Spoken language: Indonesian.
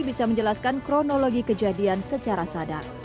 bisa menjelaskan kronologi kejadian secara sadar